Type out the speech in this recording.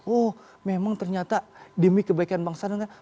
oh memang ternyata demi kebaikan bangsa dan negara